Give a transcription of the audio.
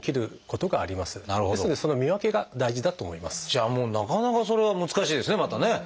じゃあもうなかなかそれは難しいですねまたね。